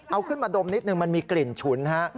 เอาขึ้นมาดมนิดนึงมันมีกลิ่นฉุนฮะ